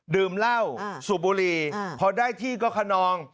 ดื่มเหล้าสูบบุหรี่พอได้ที่ก็คนนอง